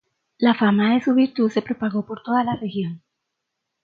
La fama de su virtud se propagó por toda la región.